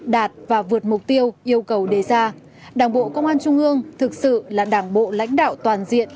đạt và vượt mục tiêu yêu cầu đề ra đảng bộ công an trung ương thực sự là đảng bộ lãnh đạo toàn diện